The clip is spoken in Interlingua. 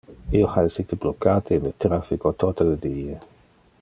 Io ha essite blocate in le traffico tote le die!